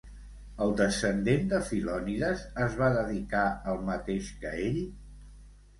El descendent de Filonides es va dedicar al mateix que ell?